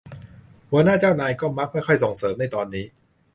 หัวหน้าเจ้านายก็มักไม่ค่อยส่งเสริมในตอนนี้